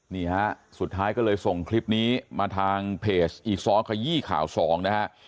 นี่ฮะสุดท้ายก็เลยส่งคลิปนี้มาทางเพจอีซ้อขยี้ข่าวสองนะฮะ